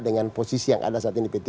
dengan posisi yang ada saat ini p tiga